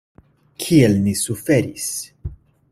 Kiel ni suferis!